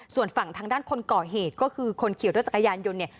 ส่วนฝั่งทางด้านคนก่อเหตุก็คือคนขี่รถจักรยานยนต์เนี่ย